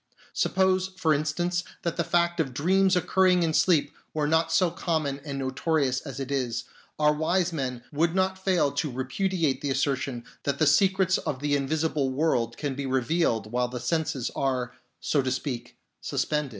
Suppose, for instance, that the fact of dreams occurring in sleep were not so common and notorious as it is, our wise men would not fail to repudiate the assertion that the secrets of the invisible world can be revealed while the senses are, so to speak, suspended.